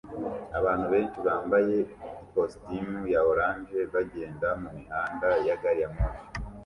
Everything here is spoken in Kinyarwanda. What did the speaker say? Abantu benshi bambaye ikositimu ya orange bagenda mumihanda ya gari ya moshi